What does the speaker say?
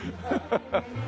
ハハハッ。